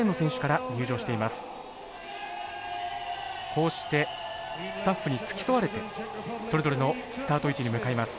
こうしてスタッフに付き添われてそれぞれのスタート位置に向かいます。